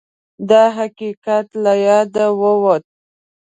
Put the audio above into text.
دا حقیقت له یاده ووت